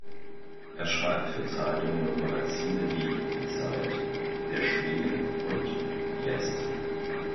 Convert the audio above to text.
Er schreibt für Zeitungen und Magazine wie "Die Zeit", "Der Spiegel" und "Jetzt".